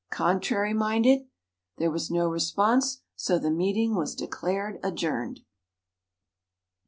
"Contrary minded?" There was no response, so the meeting was declared adjourned.